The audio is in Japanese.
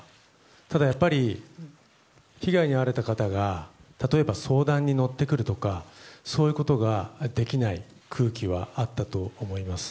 ただやっぱり被害に遭われた方が例えば相談に乗ってくるとかそういうことができない空気はあったと思います。